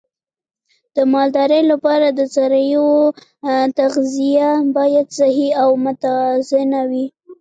د مالدارۍ لپاره د څارویو تغذیه باید صحي او متوازنه وي.